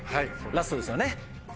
ラストですよね。